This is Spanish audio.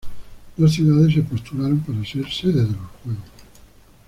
Dos ciudades se postularon para ser sede de los Juegos.